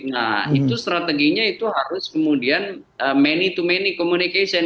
nah itu strateginya itu harus kemudian many to many communication